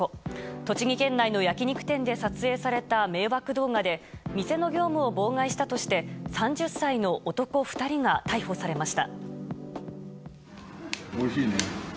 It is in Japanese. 栃木県内の焼き肉店で撮影された迷惑動画で店の業務を妨害したとして３０歳の男２人が逮捕されました。